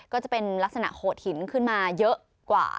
ก็จะเป็นลักษณะโหดหินขึ้นมาเยอะกว่า